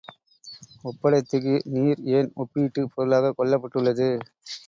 ஒப்படர்த்திக்கு நீர் ஏன் ஒப்பீட்டுப் பொருளாகக் கொள்ளப் பட்டுள்ளது?